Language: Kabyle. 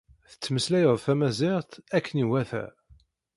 Tettmeslayeḍ tamaziɣt akken iwata.